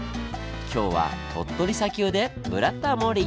今日は鳥取砂丘で「ブラタモリ」！